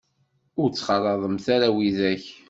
Ur ttxalaḍemt ara widak.